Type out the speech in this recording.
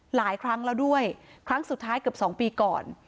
หลายครั้งแล้วด้วยครั้งสุดท้ายเกือบ๒ปีก่อน